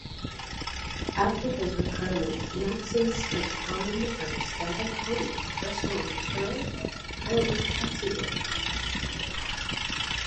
After his retirement Maxim spent time as a stand-up comic, restaurateur, and taxi driver.